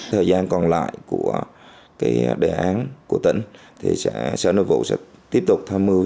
thời gian còn lại của cái đề án của tỉnh thì sở nội vụ sẽ tiếp tục tham mưu